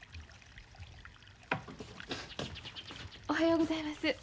おはようございます。